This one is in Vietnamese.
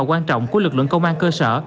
quan trọng của lực lượng công an cơ sở